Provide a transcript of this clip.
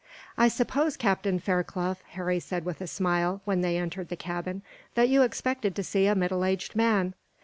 "I suppose, Captain Fairclough," Harry said with a smile, when they entered the cabin, "that you expected to see a middle aged man."